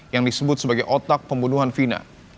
yang disebut sebagai otak pembunuhan vina